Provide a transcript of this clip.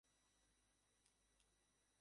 এর আগে ওটাকে সে দেখেওনি।